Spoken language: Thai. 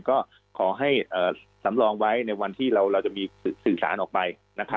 ก็ขอให้สำรองไว้ในวันที่เราจะมีสื่อสารออกไป